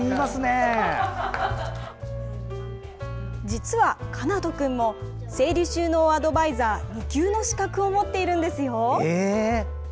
実は、奏人君も整理収納アドバイザー２級の資格を持っているんですよ！